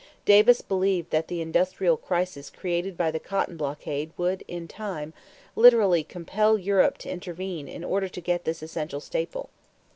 Davis believed that the industrial crisis created by the cotton blockade would in time literally compel Europe to intervene in order to get this essential staple.